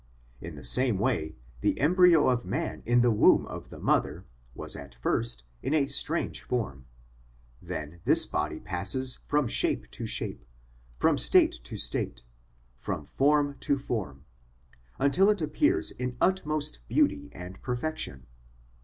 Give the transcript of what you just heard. In the same way, the embryo of man in the womb of the mother was at first in a strange form ; then this body passes 214 SOME ANSWERED QUESTIONS from shape to shape, from state to state, from form to form, until it appears in utmost beauty and perfection.